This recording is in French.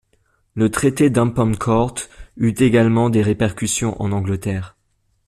Le traité d’Hampton Court eut également des répercussions en Angleterre.